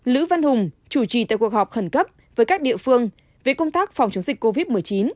lữ văn hùng chủ trì tại cuộc họp khẩn cấp với các địa phương về công tác phòng chống dịch covid một mươi chín